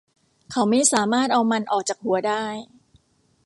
เขาไม่สามารถเอามันออกจากหัวได้